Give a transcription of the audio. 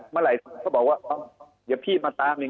เมื่อไหร่เขาบอกว่าเดี๋ยวพี่มาตามอีก